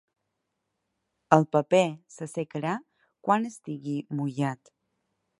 El paper s'assecarà quan estigui mullat.